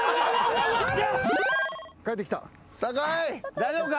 大丈夫か？